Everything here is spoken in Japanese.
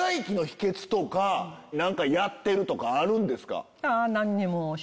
何かやってるとかあるんですか？